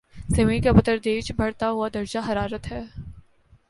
زمین کا بتدریج بڑھتا ہوا درجۂ حرارت ہے